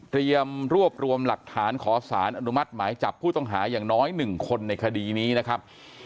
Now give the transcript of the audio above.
รวบรวมหลักฐานขอสารอนุมัติหมายจับผู้ต้องหาอย่างน้อย๑คนในคดีนี้นะครับ